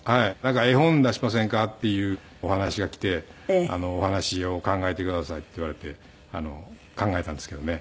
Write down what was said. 絵本出しませんかっていうお話が来てお話を考えてくださいって言われて考えたんですけどね。